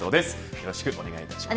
よろしくお願いします。